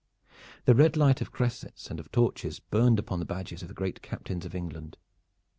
The red light of cressets and of torches burned upon the badges of the great captains of England.